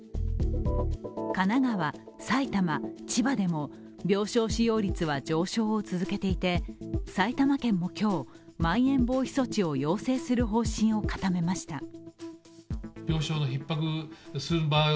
神奈川、埼玉、千葉でも病床使用率は上昇を続けていて埼玉県も今日、まん延防止措置を要請する方針を固めました。